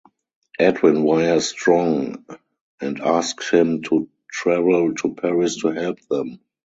Edwin wires Strong and asks him to travel to Paris to help them.